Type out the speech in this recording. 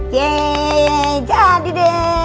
yeay jadi deh